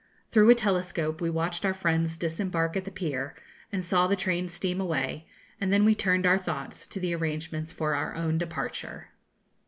Through a telescope we watched our friends disembark at the pier, and saw the train steam away; and then we turned our thoughts to the arrangements for our own departure.